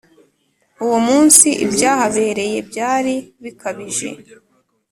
uwo munsi ibyahabereyebyari bikabije